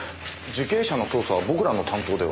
受刑者の捜査は僕らの担当では？